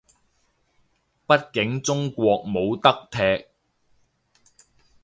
畢竟中國冇得踢